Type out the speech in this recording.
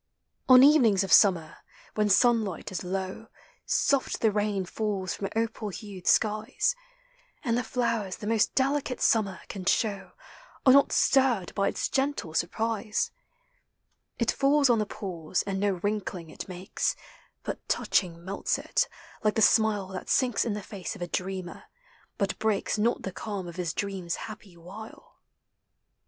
On evenings of summer, when sunlight is low. Soft the rain falls from opal hued skies: And the flowers the most delicate summer can show Are not stirred by its gentle surprise. It falls on the pools, and no wrinkling it makes, But touching melts in. like the smile Thatsinks in the face of a dreamer, bu1 breaks Not the calm of his dream's happy Wtle.